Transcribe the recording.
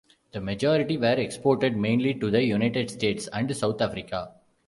The majority were exported mainly to the United States and South Africa.